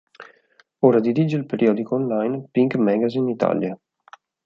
Ora dirige il periodico online Pink Magazine Italia